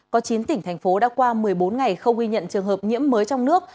có chín tỉnh thành phố đã qua một mươi bốn ngày không ghi nhận trường hợp nhiễm mới trong nước